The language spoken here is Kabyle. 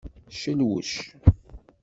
Celwec.